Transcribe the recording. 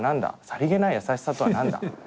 さりげない優しさとは何だ？